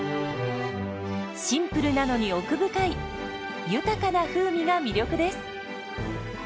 シンプルなのに奥深い豊かな風味が魅力です。